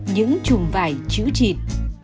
những chùm vải chữ chịt